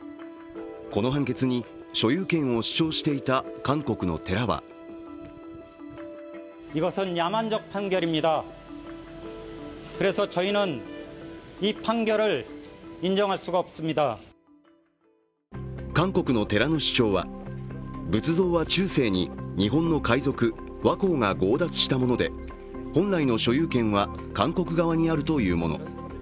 この判決に所有権を主張していた韓国の寺は韓国の寺の主張は、仏像は中世に日本の海賊、倭寇が強奪したもので、本来の所有権は韓国側にあるというもの。